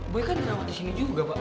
boy kan dirawat di sini juga pak